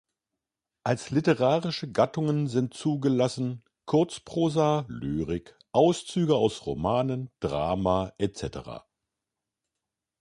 Als literarische Gattungen sind zugelassen: Kurzprosa, Lyrik, Auszüge aus Romanen, Drama etc.